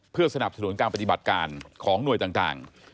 เพื่อสนับสนุนการปฏิบัติการของหน่วยต่าง